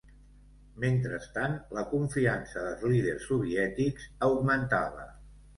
Mentrestant, la confiança dels líders soviètics augmentava.